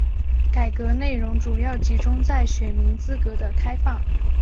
改革内容主要集中在选民资格的开放。